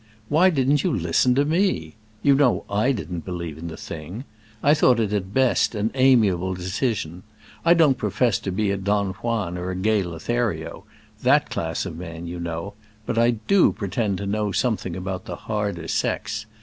Why didn't you listen to me? You know I didn't believe in the thing. I thought it at the best an amiable delusion. I don't profess to be a Don Juan or a gay Lothario,—that class of man, you know; but I do pretend to know something about the harder sex.